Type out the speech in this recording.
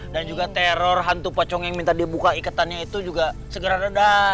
dan juga teror hantu pocong yang minta dibuka iketannya itu juga segera reda